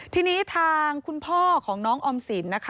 ทีนี้ทางคุณพ่อของน้องออมสินนะคะ